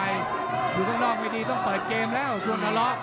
อยู่ข้างนอกไม่ดีต้องเปิดเกมแล้วช่วงทะเลาะ